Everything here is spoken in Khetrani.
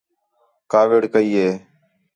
کاوِڑ کَئی ہِے